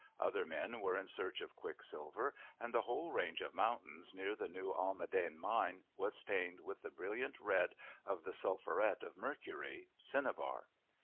Other men were in search of quicksilver; and the whole range of mountains near the New Almaden mine was stained with the brilliant red of the sulphuret of mercury (cinnabar).